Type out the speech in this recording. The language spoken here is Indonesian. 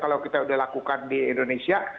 kalau kita sudah lakukan di indonesia